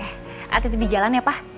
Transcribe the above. akan tidur di jalan ya pa